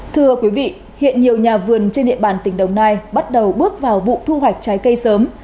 thưa quý vị hiện nhiều nhà vườn trên địa bàn tỉnh đồng nai bắt đầu bước vào vụ thu hoạch trái cây sớm